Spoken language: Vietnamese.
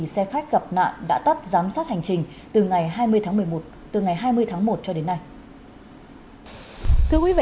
xe khách gặp nạn đã tắt giám sát hành trình từ ngày hai mươi tháng một cho đến nay